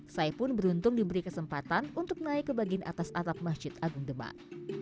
saya pun beruntung diberi kesempatan untuk naik ke bagian atas atap masjid agung demak